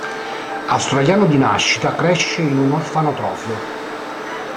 Australiano di nascita, cresce in un orfanotrofio.